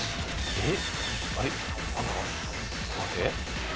えっ？